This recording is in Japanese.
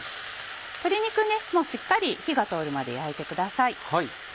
鶏肉もうしっかり火が通るまで焼いてください。